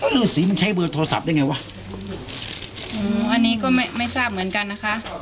ฤษีมันใช้เบอร์โทรศัพท์ได้ไงวะอันนี้ก็ไม่ไม่ทราบเหมือนกันนะคะ